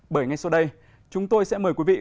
bởi ngay sau đây chúng tôi sẽ mời quý vị